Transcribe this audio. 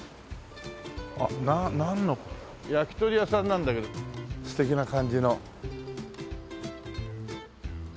あっなんの焼き鳥屋さんなんだけど素敵な感じの。